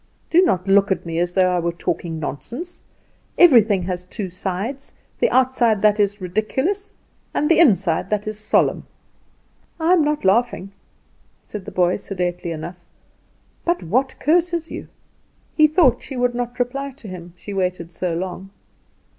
Do not look at me as though I were talking nonsense. Everything has two sides the outside that is ridiculous, and the inside that is solemn." "I am not laughing," said the boy, sedately enough; "but what curses you?" He thought she would not reply to him, she waited so long.